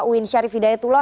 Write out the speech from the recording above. uin syarif hidayatullah